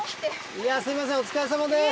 いやすみませんお疲れさまです。